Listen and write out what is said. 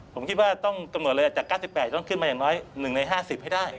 ผมคิดว่าต้องกำหนดเลยจาก๙๘ต้องขึ้นมาอย่างน้อย๑ใน๕๐ให้ได้